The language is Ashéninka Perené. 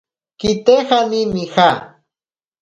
Kitejari nija.